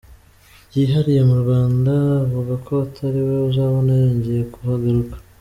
byihariye mu Rwanda avuga ko atariwe uzabona yongeye kuhagaruka.